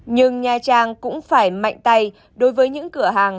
nhưng nha trang cũng phải mạnh tay đối với những cửa hàng